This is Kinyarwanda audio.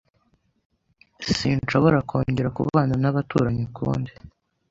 Sinshobora kongera kubana nabaturanyi ukundi.